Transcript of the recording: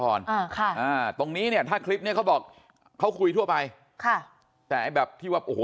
ตรงนี้เนี่ยถ้าคลิปเนี่ยเขาบอกเขาคุยทั่วไปค่ะแต่แบบที่ว่าโอ้โห